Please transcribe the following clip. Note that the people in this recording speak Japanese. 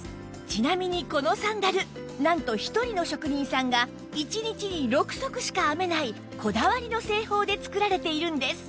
ちなみにこのサンダルなんと１人の職人さんが１日に６足しか編めないこだわりの製法で作られているんです